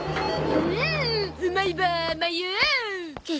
うん？